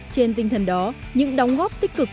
trong tinh thần đó những đóng góp tích cực